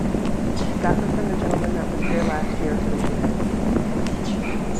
Got them from the gentleman that was here last year for the shooting.